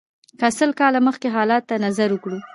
که سل کاله مخکې حالاتو ته نظر وکړو.